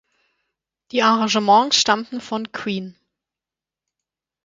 Die Arrangements stammten von Queen.